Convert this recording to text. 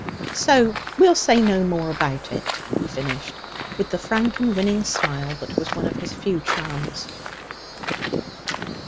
'So we'll say no more about it,' he finished, with the frank and winning smile that was one of his few charms.